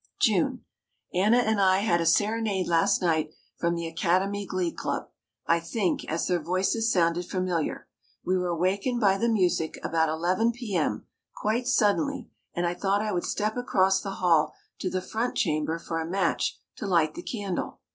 June. Anna and I had a serenade last night from the Academy Glee Club, I think, as their voices sounded familiar. We were awakened by the music, about 11 p. m., quite suddenly and I thought I would step across the hall to the front chamber for a match to light the candle.